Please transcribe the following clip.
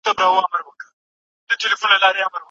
اوږده ناسته زيان لري